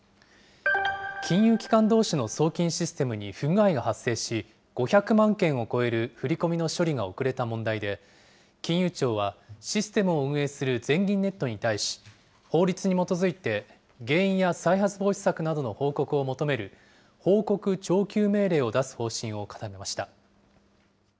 金融機関どうしの送金システムに不具合が発生し、５００万件を超える振り込みの処理が遅れた問題で、金融庁は、システムを運営する全銀ネットに対し、法律に基づいて、原因や再発防止策などの報告を求める、報告徴求命令を出す方針を固めました。